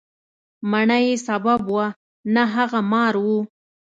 مڼه یې سبب وه، نه هغه مار و.